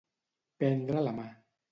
Prendre la mà.